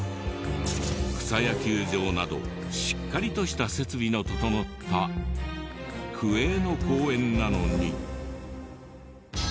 草野球場などしっかりとした設備の整った区営の公園なのに。